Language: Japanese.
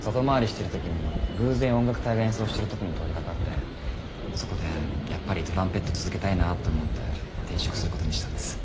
外回りしてるときに偶然音楽隊が演奏してるところに通り掛かってそこでやっぱりトランペット続けたいなと思って転職することにしたんです。